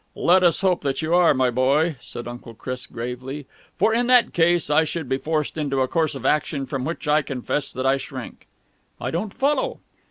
"Let us hope that you are, my boy," said Uncle Chris gravely. "For in that case I should be forced into a course of action from which I confess that I shrink." "I don't follow."